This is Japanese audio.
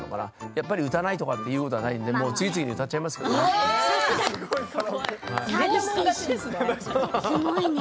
やっぱり歌わないということはないので次々に歌っちゃいますけれどもね。